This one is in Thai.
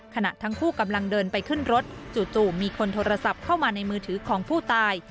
ขณะทั้งคู่กำลังเดินไปขึ้นรถจู่มีคนโทรศัพท์เข้ามาในมือถือของผู้ตาย